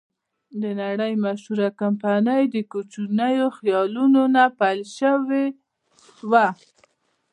د نړۍ مشهوره کمپنۍ د کوچنیو خیالونو نه پیل شوې وې.